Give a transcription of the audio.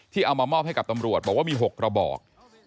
เอามามอบให้กับตำรวจบอกว่ามี๖กระบอก